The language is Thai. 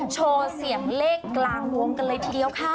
โชว์เสียงเลขกลางวงกันเลยทีเดียวค่ะ